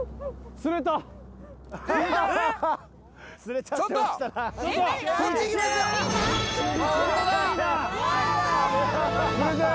釣れたよ。